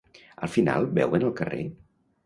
Al final beuen al carrer?